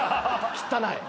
汚い。